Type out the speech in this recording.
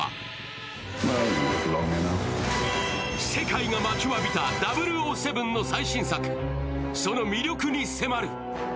世界が待ちわびた「００７」の最新作その魅力に迫る。